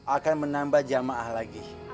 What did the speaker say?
akan menambah jamaah lagi